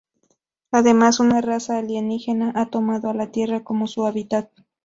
Además, una raza alienígena ha tomado a la tierra como su hábitat.